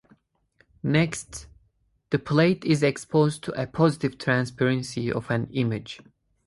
Next, the plate is exposed to a positive transparency of an image.